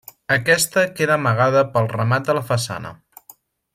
Aquesta queda amagada pel remat de la façana.